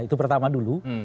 itu pertama dulu